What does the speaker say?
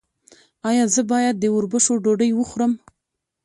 ایا زه باید د وربشو ډوډۍ وخورم؟